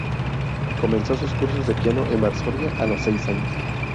Comenzó sus cursos de piano en Varsovia, a los seis años.